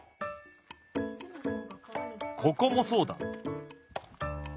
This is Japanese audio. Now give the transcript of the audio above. ここもそうだ！